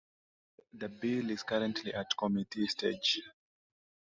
The bill is currently at committee stage.